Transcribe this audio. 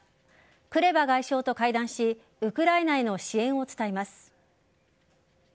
クレバ外相と会談しウクライナへの支援を伝えます。